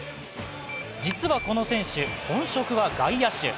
実はこの選手、本職は外野手。